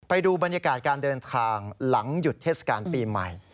ไปดูบรรยากาศการเดินทางหลังหยุดเทศกาลปีใหม่